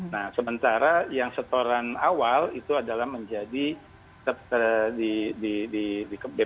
nah sementara yang setoran awal itu adalah menjadi